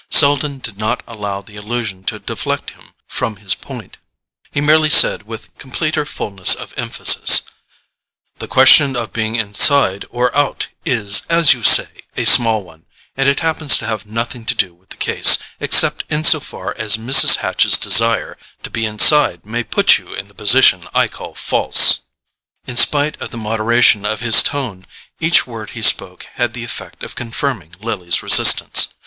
Selden did not allow the allusion to deflect him from his point; he merely said with completer fulness of emphasis: "The question of being inside or out is, as you say, a small one, and it happens to have nothing to do with the case, except in so far as Mrs. Hatch's desire to be inside may put you in the position I call false." In spite of the moderation of his tone, each word he spoke had the effect of confirming Lily's resistance.